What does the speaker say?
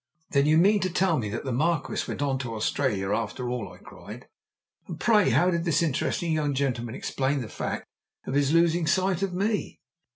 "Then you mean to tell me that the Marquis went on to Australia after all!" I cried. "And pray how did this interesting young gentleman explain the fact of his losing sight of me?"